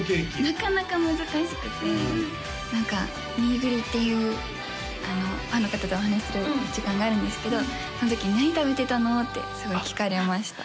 なかなか難しくて何かミーグリっていうファンの方とお話しする時間があるんですけどその時に「何食べてたの？」ってすごい聞かれました